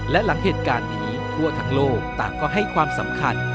และหลังเหตุการณ์นี้ทั่วทั้งโลกต่างก็ให้ความสำคัญ